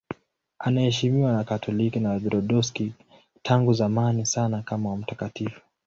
Anaheshimiwa na Wakatoliki na Waorthodoksi tangu zamani sana kama mtakatifu.